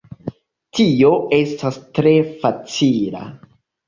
Tio estas tre facila.